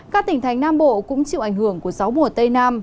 các tỉnh thành nam bộ cũng chịu ảnh hưởng của gió mùa tây nam